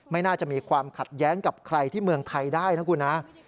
ไม่น่าจะมีความขัดแย้งกับใครที่เมืองไทยได้นะคุณนะ